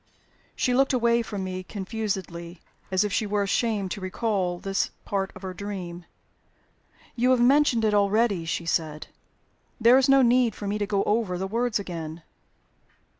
She looked away from me confusedly, as if she were ashamed to recall this part of her dream. "You have mentioned it already," she said. "There is no need for me to go over the words again.